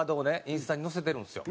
インスタに載せてるんですよ。